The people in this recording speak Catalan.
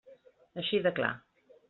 Així de clar.